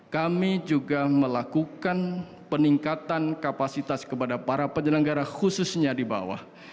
kami juga melakukan peningkatan kapasitas kepada para penyelenggara khususnya di bawah